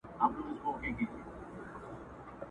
د یوې ورځي لګښت خواست یې ترې وکړ.!